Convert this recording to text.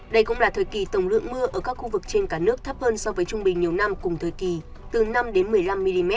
đây cũng là thời kỳ tổng lượng mưa ở các khu vực trên cả nước thấp hơn so với trung bình nhiều năm cùng thời kỳ từ năm một mươi năm mm